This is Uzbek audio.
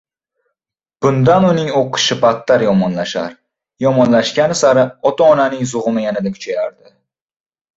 Bundan uning oʻqishi battar yomonlashar, yomonlashgani sari ota-onaning zugʻumi yanada kuchayardi.